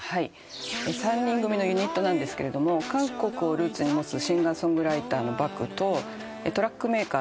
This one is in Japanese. ３人組のユニットなんですけど韓国をルーツに持つシンガー・ソングライターのＢａｋｕとトラックメイカー。